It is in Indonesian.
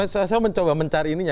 saya mencoba mencari ininya